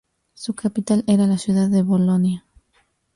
Su capital era la ciudad de Bolonia.